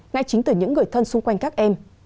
ngay chính từ những người thân xung quanh các em